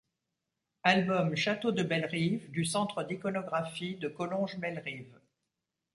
Album Château de Bellerive du Centre d'Iconographie de Collonge-Bellerive.